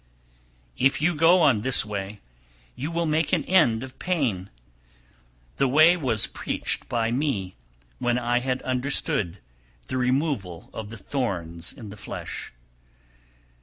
275. If you go on this way, you will make an end of pain! The way was preached by me, when I had understood the removal of the thorns (in the flesh).